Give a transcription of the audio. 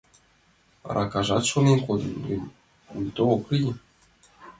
Аракажат, шонем, кодын гын, уто ок лий.